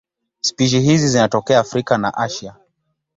Spishi hizi zinatokea Afrika na Asia.